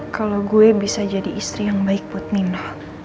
kalo gue bisa jadi istri yang baik buat nino